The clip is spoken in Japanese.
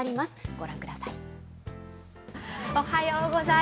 ご覧ください。